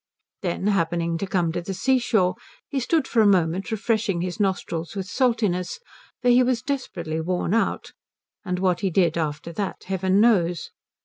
Then, happening to come to the seashore, he stood for a moment refreshing his nostrils with saltness, for he was desperately worn out, and what he did after that heaven knows.